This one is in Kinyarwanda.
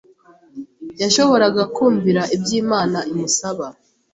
yashoboraga kumvira iby’Imana imusaba.